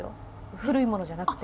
古いものじゃなくて。